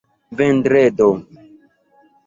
vendredo